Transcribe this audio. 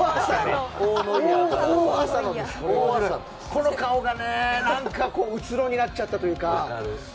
この顔が、何かうつろになっちゃったというか。